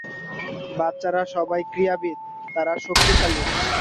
বাচ্চারা সবাই ক্রীড়াবিদ, তারা শক্তিশালী।